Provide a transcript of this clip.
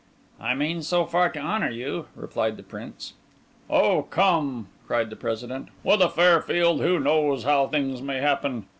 "I mean so far to honour you," replied the Prince. "Oh, come!" cried the President. "With a fair field, who knows how things may happen?